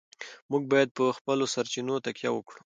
موږ باید په خپلو سرچینو تکیه وکړو.